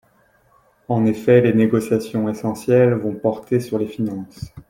En effet, les négociations essentielles vont porter sur les finances.